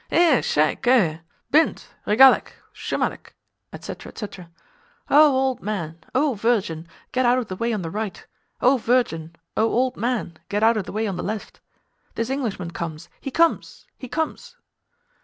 "Eh! Sheik, Eh! Bint,—reggalek,—"shumalek, &c. &c.—O old man, O virgin, get out of the way on the right—O virgin, O old man, get out of the way on the left—this Englishman comes, he comes, he comes!"